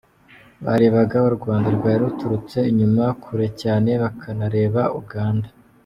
Barebaga U Rwanda rwari ruturutse inyuma kure cyane, bakanareba Uganda.